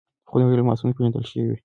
خونړي الماسونه پېژندل شوي.